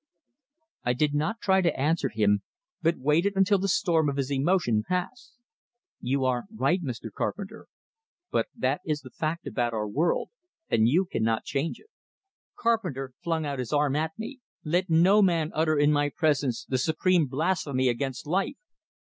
I did not try to answer him, but waited until the storm of his emotion passed. "You are right, Mr. Carpenter. But that is the fact about our world, and you cannot change it " Carpenter flung out his arm at me. "Let no man utter in my presence the supreme blasphemy against life!"